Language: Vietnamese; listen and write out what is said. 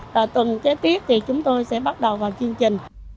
và tuần kế tiếp thì chúng tôi sẽ bắt đầu vào chương trình